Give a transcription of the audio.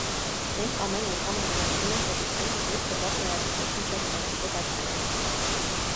Մենք ամեն անգամ ավելացնում ենք պետության կողմից տրվող լրացուցիչ միջոցները, դոտացիաները։